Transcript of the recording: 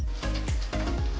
terima kasih pak